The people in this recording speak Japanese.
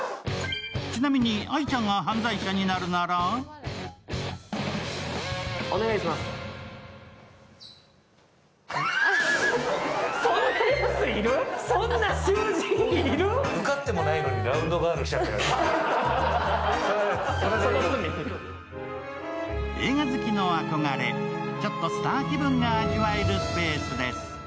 ちなみに愛ちゃんが犯罪者になるなら映画好きの憧れ、ちょっとスター気分が味わえるスペースです。